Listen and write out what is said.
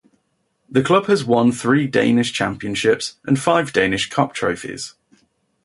The club has won three Danish championships and five Danish Cup trophies.